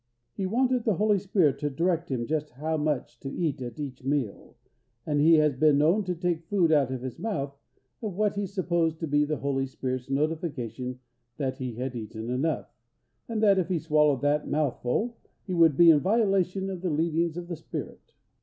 He wanted the Holy Spirit to direct him just how much to eat at each meal, and he has been known to take food out of his mouth at what he supposed to be the Holy Spirit's notification that he had eaten enough, and that if he swallowed that mouthful, it would be in violation of the leadings of the Spirit.